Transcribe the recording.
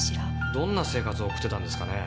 どんな生活を送ってたんですかね？